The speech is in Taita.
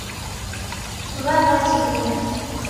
Wawatighina